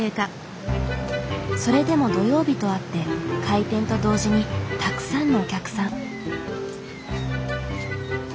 それでも土曜日とあって開店と同時にたくさんのお客さん。